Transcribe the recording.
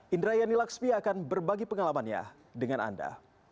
indra yani laksmi akan berbagi pengalamannya dengan anda